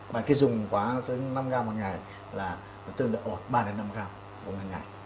và cái dùng quá năm gram hằng ngày là tương đương ba đến năm gram hằng ngày